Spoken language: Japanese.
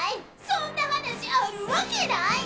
そんな話あるわけない！